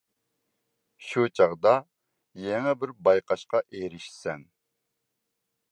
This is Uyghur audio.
شۇ چاغدا يېڭى بىر بايقاشقا ئېرىشىسەن.